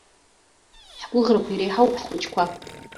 Ҳгәыӷрақәа иреиҳауп ҳхәыҷқәа.